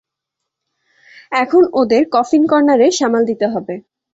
এখন ওদের কফিন কর্ণারের সামাল দিতে হবে।